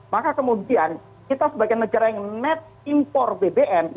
maka kemudian kita sebagai negara yang net impor bbm